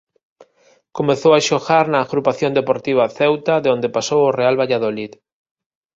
Comezou a xogar na Agrupación Deportiva Ceuta de onde pasou ao Real Valladolid.